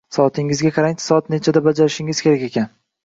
Soatingizga qarangchi soat nechada bajarishingiz kerak ekan.